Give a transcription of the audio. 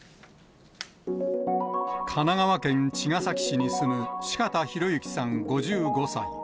神奈川県茅ヶ崎市に住む四方洋行さん５５歳。